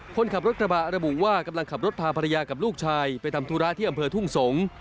คนขับรถกระบะระบุว่ากำลังขับรถพาภรรยากับลูกชายไปทำธุระที่อำเภอทุ่งสงศ์